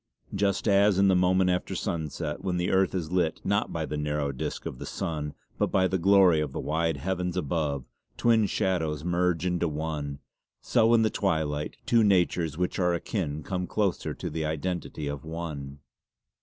Just as in the moment after sunset, when the earth is lit not by the narrow disc of the sun but by the glory of the wide heavens above, twin shadows merge into one, so in the twilight two natures which are akin come closer to the identity of one.